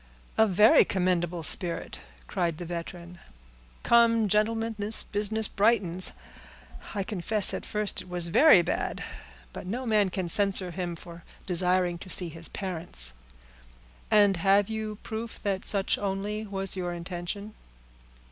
"A very commendable spirit," cried the veteran. "Come, gentlemen, this business brightens. I confess, at first, it was very bad, but no man can censure him for desiring to see his parents." "And have you proof that such only was your intention?"